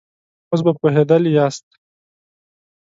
اوس به پوهېدلي ياست.